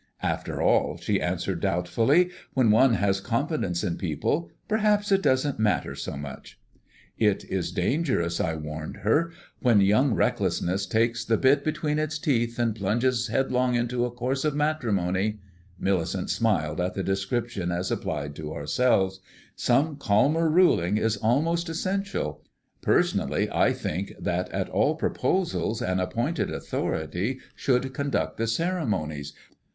"After all," she answered doubtfully, "when one has confidence in people perhaps it doesn't matter so much." "It is dangerous," I warned her. "When young recklessness takes the bit between its teeth and plunges headlong into a course of matrimony" Millicent smiled at the description as applied to ourselves "some calmer ruling is almost essential. Personally, I think that at all proposals an appointed authority should conduct the ceremonies.